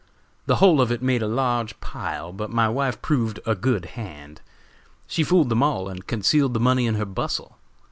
The whole of it made a large pile, but my wife proved a good hand. She fooled them all, and concealed the money in her bustle.